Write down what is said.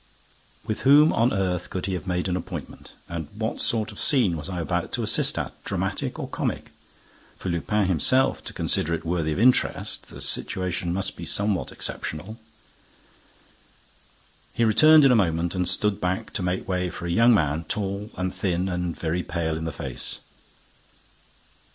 With whom on earth could he have made an appointment? And what sort of scene was I about to assist at: dramatic or comic? For Lupin himself to consider it worthy of interest, the situation must be somewhat exceptional. He returned in a moment and stood back to make way for a young man, tall and thin and very pale in the face.